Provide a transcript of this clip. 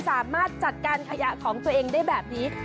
สามารถจัดการขยะของตัวเองได้แบบนี้